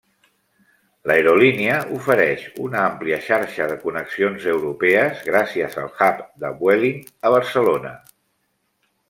L'aerolínia ofereix una àmplia xarxa de connexions europees gràcies al hub de Vueling a Barcelona.